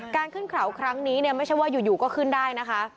ขึ้นเขาครั้งนี้เนี่ยไม่ใช่ว่าอยู่ก็ขึ้นได้นะคะ